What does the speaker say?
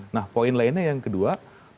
nah poin lainnya yang kedua